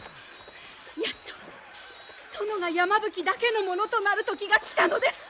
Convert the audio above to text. やっと殿が山吹だけのものとなる時が来たのです！